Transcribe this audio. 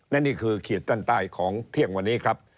และนี่คือขีดเส้นใต้ของเที่ยงวันนี้ครับ